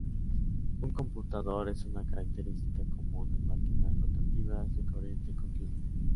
Un conmutador, es una característica común en máquinas rotativas de corriente continua.